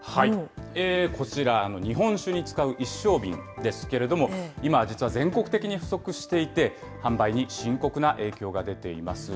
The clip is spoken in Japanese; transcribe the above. こちら、日本酒に使う一升瓶ですけれども、今実は全国的に不足していて、販売に深刻な影響が出ています。